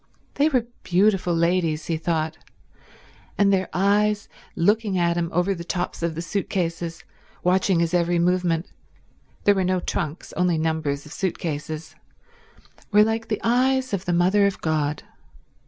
They were beautiful ladies, he thought, and their eyes, looking at him over the tops of the suit cases watching his every movement—there were no trunks, only numbers of suit cases—were like the eyes of the Mother of God.